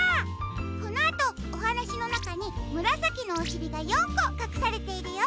このあとおはなしのなかにむらさきのおしりが４こかくされているよ。